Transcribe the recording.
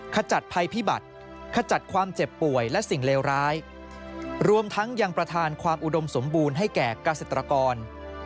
ขจัดภัยพิบัติขจัดความเจ็บป่วยและสิ่งเลวร้ายรวมทั้งยังประธานความอุดมสมบูรณ์ให้แก่เกษตรกร